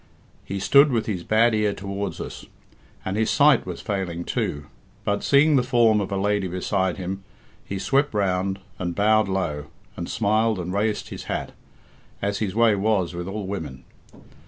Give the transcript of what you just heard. He stood with his bad ear towards us, and his sight was failing, too, but seeing the form of a lady beside him, he swept round, and bowed low, and smiled and raised his hat, as his way was with all women.